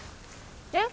えっ？